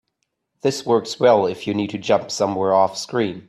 This works well if you need to jump somewhere offscreen.